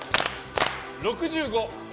６５。